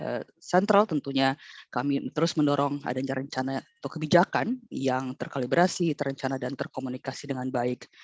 pemerintah sentral tentunya kami terus mendorong adanya rencana atau kebijakan yang terkalibrasi terencana dan terkomunikasi dengan baik